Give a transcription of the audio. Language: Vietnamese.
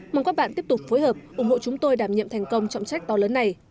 mong các bạn tiếp tục phối hợp ủng hộ chúng tôi đảm nhiệm thành công trọng trách to lớn này